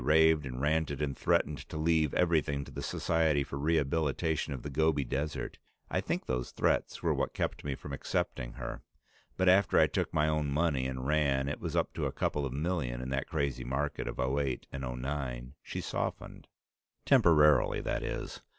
raved and ranted and threatened to leave everything to the Society for Rehabilitation of the Gobi Desert. I think those threats were what kept her from accepting me, but after I took my own money and ran it up to a couple of million in that crazy market of '08 and '09, she softened. Temporarily, that is.